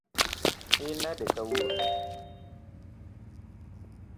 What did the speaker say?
In nade kawuono?